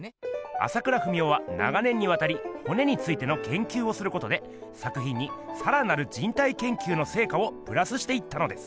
朝倉文夫は長年にわたり骨についてのけんきゅうをすることで作品にさらなる人体研究のせいかをプラスしていったのです。